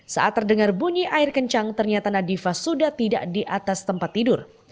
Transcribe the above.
saat terdengar bunyi air kencang ternyata nadifa sudah tidak di atas tempat tidur